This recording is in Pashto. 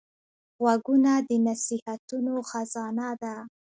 غوږونه د نصیحتونو خزانه ده